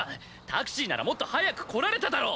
タクシーならもっと早く来られただろ！